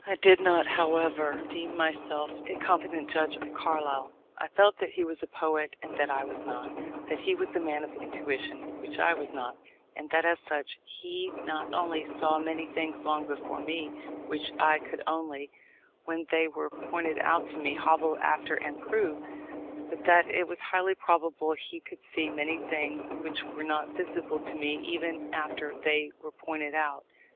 I did not, however, deem myself a competent judge of Carlyle. I felt that he was a poet, and that I was not; that he was a man of intuition, which I was not; and that as such, he not only saw many things long before me, which I could only, when they were pointed out to me, hobble after and prove, but that it was highly probable he could see many things which were not visible to me even after they were pointed out.